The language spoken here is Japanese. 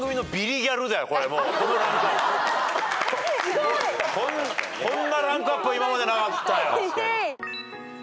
こんなランクアップは今までなかったよ。